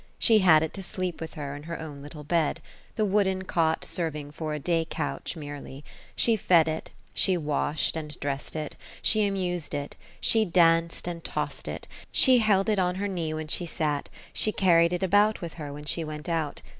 She had it to sleep with her, in her own little bed, the wooden cot serving for a day*couch mere ly, — she fed it, she washed and dressed it, she amused it. she danced and tossed it, she held it on her knee when she sat, she carried it about with her when she went out.